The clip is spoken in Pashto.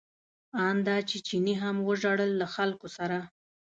ان دا چې چیني هم وژړل له خلکو سره.